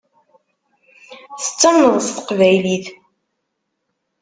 Tettamneḍ s teqbaylit.